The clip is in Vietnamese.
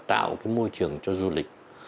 tạo cái môi trường cho du lịch